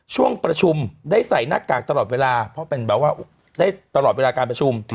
ช่วงประชุมได้ใส่หน้ากากตลอดเวลาเพราะเป็นแบบว่าได้ตลอดเวลาการประชุม